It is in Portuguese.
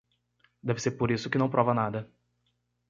Deve ser por isso que não prova nada.